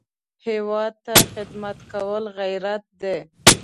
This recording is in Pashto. هېواد ته خدمت کول غیرت دی